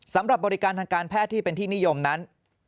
สำหรับบริการทางการแพทย์ที่เป็นที่นิยมนั้น